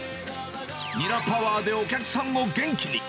ニラパワーでお客さんを元気に。